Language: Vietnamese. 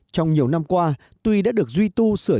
trong nhiều năm qua tuy đã được duy tu sửa